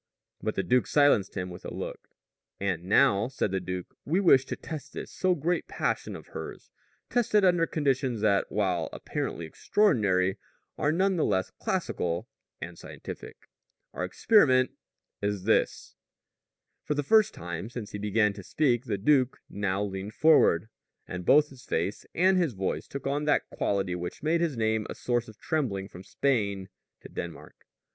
But the duke silenced him with a look. "And now," said the duke, "we wish to test this so great passion of hers test it under conditions that while apparently extraordinary are none the less classical and scientific. Our experiment is this " For the first time since he began to speak the duke now leaned forward, and both his face and his voice took on that quality which made his name a source of trembling from Spain to Denmark.